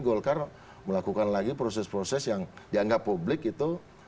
golkar melakukan lagi proses proses yang dianggap publik itu